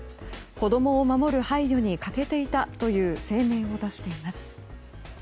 子供を守る配慮に欠けていたという声明を出しています。